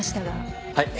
はい。